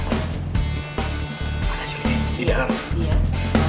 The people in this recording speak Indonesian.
joyce saat mutacara